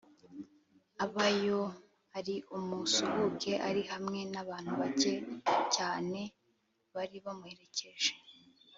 aba yo ari umusuhuke, ari hamwe n’abantu bake cyane bari bamuherekeje.